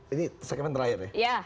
ini sakit menter air ya